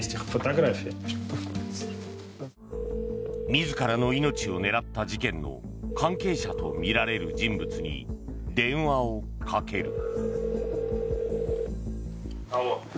自らの命を狙った事件の関係者とみられる人物に電話をかける。